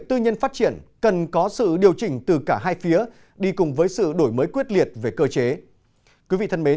phát triển cần có sự điều chỉnh từ cả hai phía đi cùng với sự đổi mới quyết liệt về cơ chế